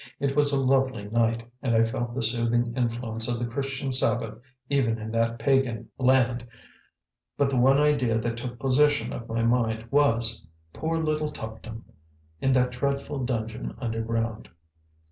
It was a lovely night, and I felt the soothing influence of the Christian Sabbath even in that pagan land; but the one idea that took possession of my mind was: "Poor little Tuptim, in that dreadful dungeon underground."